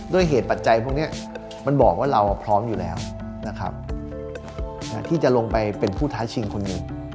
ด้วยเหตุปัจจัยพวกนี้มันบอกว่าเราพร้อมอยู่แล้วนะครับที่จะลงไปเป็นผู้ท้าชิงคนหนึ่ง